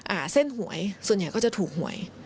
เส้นหวยส่วนใหญ่ก็จะถูกหวย